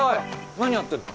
何やってるの？